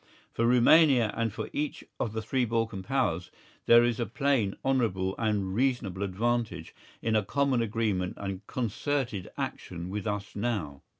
For Rumania and for each of the three Balkan Powers, there is a plain, honourable and reasonable advantage in a common agreement and concerted action with us now.